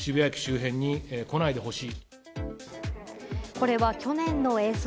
これは去年の映像。